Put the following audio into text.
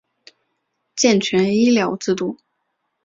健全医疗制度